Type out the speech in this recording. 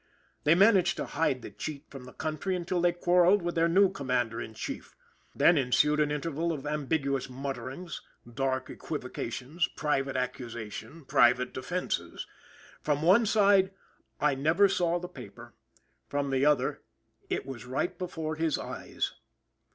They managed to hide the cheat from the country until they quarreled with their new Commander in Chief. Then ensued an interval of ambiguous mutterings, dark equivocations, private accusation, private defenses. From one side: "I never saw the paper." From the other: "It was right before his eyes."